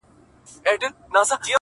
د آتشي غرو د سکروټو د لاوا لوري،